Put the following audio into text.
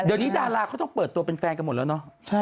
เดี๋ยวนี้ดาราเขาต้องเปิดตัวเป็นแฟนกันหมดแล้วเนาะ